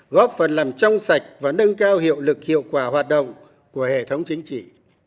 góp phần làm trong sạch và nâng cao hiệu lực hiệu quả hoạt động của hệ thống chính trị